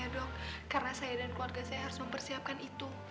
ya dok karena saya dan keluarga saya harus mempersiapkan itu